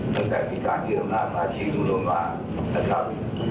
ตั้งแต่พิการที่รำนาบอาชีพรุนลงมานะครับ